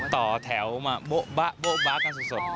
ต่อแถวมาโบ๊ะกันสุด